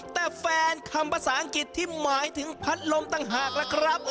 แต่แฟนคำภาษาอังกฤษที่หมายถึงพัดลมต่างหากล่ะครับ